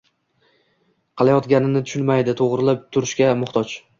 – qilayotganini tushunmaydi, to‘g‘rilab turishga muhtoj”.